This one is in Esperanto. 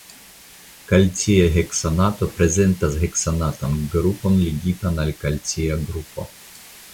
Kalcia heksanato prezentas heksanatan grupon ligitan al kalcia grupo.